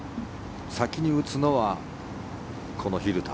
先に打つのはこの蛭田。